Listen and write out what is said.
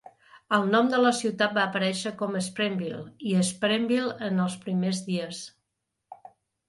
El nom de la ciutat va aparèixer com Spearville i Speareville en els primers dies.